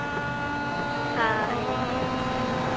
はい。